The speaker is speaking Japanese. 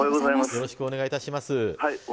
よろしくお願いします。